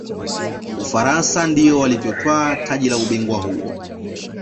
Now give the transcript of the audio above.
ufaransa ndiyo waliyotwaa taji la ubingwa huo